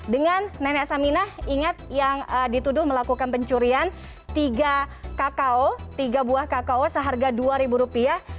dengan nenek saminah ingat yang dituduh melakukan pencurian tiga kakao tiga buah kakao seharga dua ribu rupiah